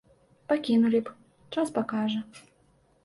Пакінулі б, час пакажа.